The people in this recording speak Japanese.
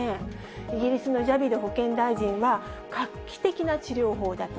イギリスのジャビド保健大臣は、画期的な治療法だと。